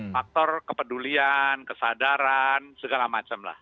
faktor kepedulian kesadaran segala macam lah